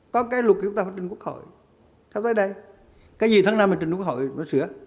có cái luật của chúng ta phát triển quốc hội theo tới đây cái gì tháng năm trình quốc hội nó sửa